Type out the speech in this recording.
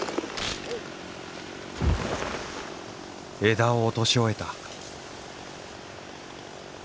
枝を落とし終えた。